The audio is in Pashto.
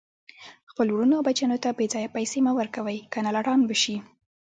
خپلو ورونو او بچیانو ته بیځایه پیسي مه ورکوئ، کنه لټان به شي